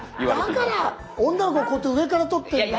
だから女の子こうやって上から撮ってるんだ。